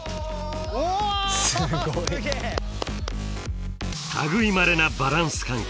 すごい！類いまれなバランス感覚。